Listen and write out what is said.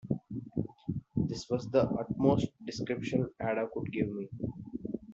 This was the utmost description Ada could give me.